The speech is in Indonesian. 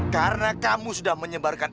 karena kamu sudah menyebarkan